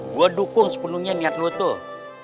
gue dukung sepenuhnya niat lo tuh